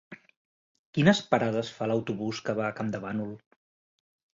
Quines parades fa l'autobús que va a Campdevànol?